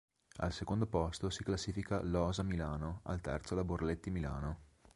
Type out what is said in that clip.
Al secondo posto si classifica l'Osa Milano, al terzo la Borletti Milano.